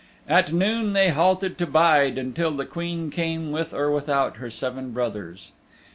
At noon they halted to bide until the Queen came with or without her seven brothers.